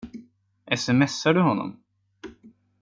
Sms:ar du honom?